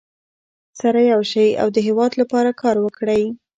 سره یو شئ او د هېواد لپاره کار وکړئ.